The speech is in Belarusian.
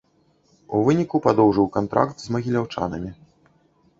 У выніку падоўжыў кантракт з магіляўчанамі.